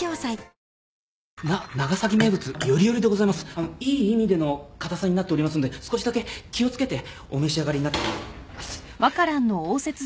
あのいい意味での硬さになっておりますので少しだけ気を付けてお召し上がりになっ熱っ。